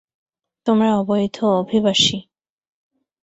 তোমরা অবৈধ অভিবাসী!